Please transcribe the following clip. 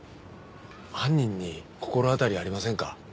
犯人に心当たりありませんか？